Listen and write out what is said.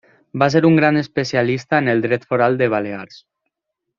Va ser un gran especialista en el dret foral de Balears.